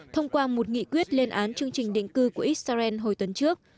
thông qua một nghị quyết lên án chương trình định cư của israel hồi tuần trước